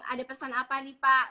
ada pesan apa nih pak